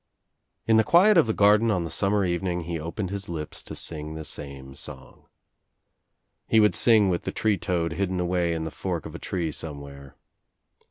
In the quiet of the garden on the summer evening he opened his lips to sing the same song. He would sing with the tree toad hidden away In the fork of a tree somewhere.